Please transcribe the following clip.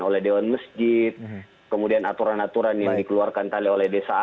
oleh dewan mesjid kemudian aturan aturan yang dikeluarkan oleh dewan mesjid kemudian aturan aturan